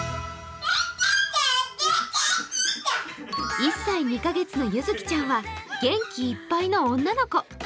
１歳２カ月のゆづきちゃんは元気いっぱいの女の子。